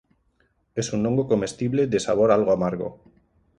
Es un hongo comestible de sabor algo amargo.